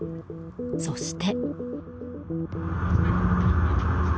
そして。